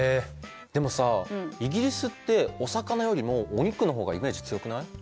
でもさイギリスってお魚よりもお肉の方がイメージ強くない？